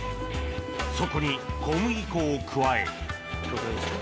そこに小麦粉を加えこれぐらいですか？